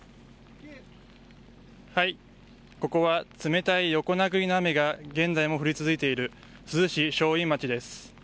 ここは冷たい横殴りの雨が現在も降り続いている珠洲市正院町です。